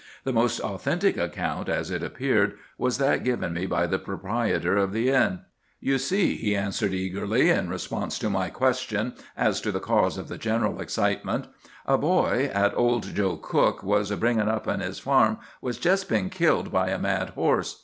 The most authentic account, as it appeared, was that given me by the proprietor of the inn. "'You see,' he answered eagerly, in response to my question as to the cause of the general excitement, 'a boy 'at old Joe Cook was bringin' up on his farm has jest been killed by a mad horse.